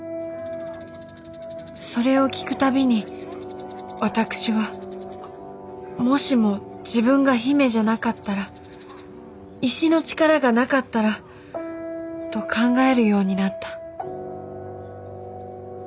それを聞く度に私は「もしも自分が姫じゃなかったら？石の力がなかったら？」と考えるようになった。